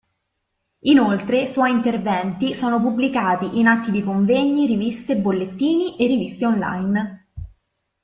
Inoltre, suoi interventi sono pubblicato in atti di convegni, riviste, bollettini e riviste online.